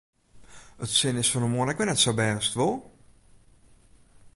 It sin is fan 'e moarn ek wer net sa bêst, wol?